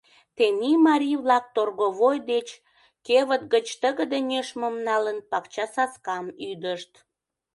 Тений марий-влак, торговой деч, кевыт гыч тыгыде нӧшмым налын, пакча саскам ӱдышт.